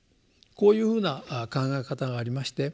こういうふうな考え方がありまして。